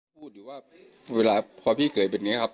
พูดอยู่ว่าเวลาพอพี่เขยเป็นอย่างนี้ครับ